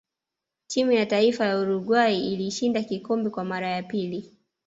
timu ya taifa ya uruguay ilishinda kikombe Kwa mara ya pili